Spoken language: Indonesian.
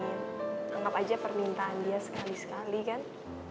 anggap aja permintaan dia sekali sekali kan